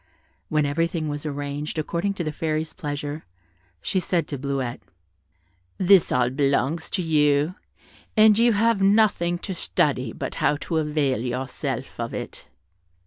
When everything was arranged according to the Fairy's pleasure, she said to Bleuette, "This all belongs to you, and you have nothing to study but how to avail yourself of it."